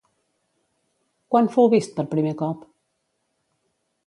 Quan fou vist per primer cop?